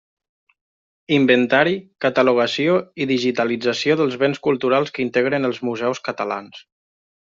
Inventari, catalogació i digitalització dels béns culturals que integren els museus catalans.